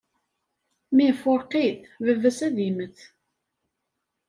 ma ifurq-it, baba-s ad immet.